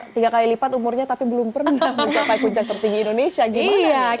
tiga kali lipat umurnya tapi belum pernah mencapai puncak tertinggi indonesia gimana nih